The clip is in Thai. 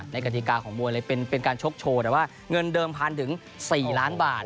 กฎิกาของมวยเลยเป็นการชกโชว์แต่ว่าเงินเดิมพันถึง๔ล้านบาท